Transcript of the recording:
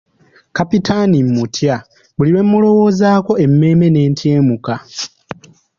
Kapitaani mmutya, buli lwe mmulowoozaako emmeeme n'entyemuka.